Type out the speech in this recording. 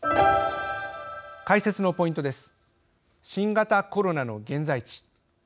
解説のポイントです。